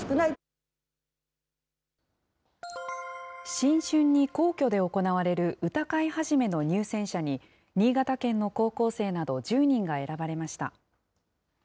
新春に皇居で行われる歌会始の入選者に、新潟県の高校生など１０人が選ばれました。